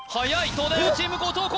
東大王チーム後藤弘